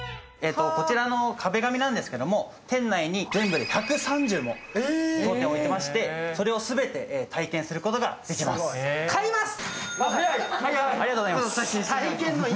こちらの壁紙なんですけども店内に全部で１３０も当店置いてましてそれをありがとうございます